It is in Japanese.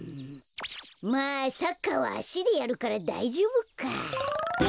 まあサッカーはあしでやるからだいじょうぶか。